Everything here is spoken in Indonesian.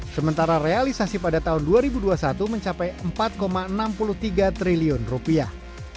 sementara realisasi pada tahun dua ribu dua puluh satu mencapai empat enam puluh tiga triliun rupiah